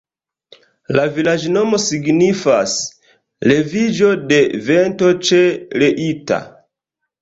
La vilaĝnomo signifas: leviĝo de vento ĉe Leitha.